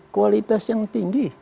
kualitas yang tinggi